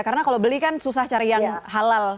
karena kalau beli kan susah cari yang halal